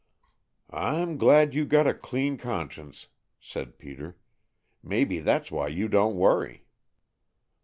"I'm glad you got a clean conscience," said Peter. "Maybe that's why you don't worry."